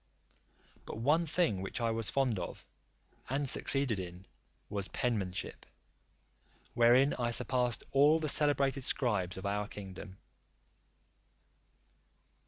But one thing which I was fond of, and succeeded in, was penmanship; wherein I surpassed all the celebrated scribes of our kingdom.